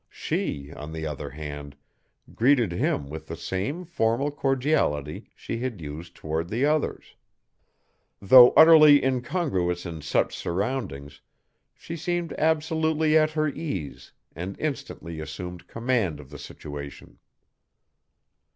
She, on the other hand, greeted him with the same formal cordiality she had used toward the others. Though utterly incongruous in such surroundings, she seemed absolutely at her ease and instantly assumed command of the situation.